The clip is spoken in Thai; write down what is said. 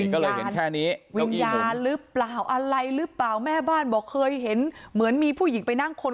ก็เลยเห็นแค่นี้วิญญาณหรือเปล่าอะไรหรือเปล่าแม่บ้านบอกเคยเห็นเหมือนมีผู้หญิงไปนั่งคน